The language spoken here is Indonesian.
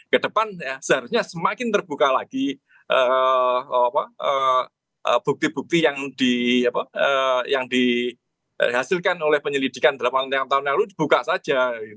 kedepan seharusnya semakin terbuka lagi bukti bukti yang dihasilkan oleh penyelidikan delapan tahun lalu dibuka saja